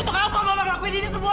untuk apa mama ngelakuin ini semua